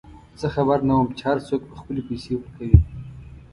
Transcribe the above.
زه خبر نه وم چې هرڅوک به خپلې پیسې ورکوي.